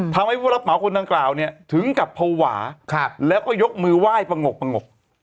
ทำให้ผู้รับเหมาคนดังกล่าวเนี่ยถึงกับภาวะแล้วก็ยกมือไหว้ประงกประงก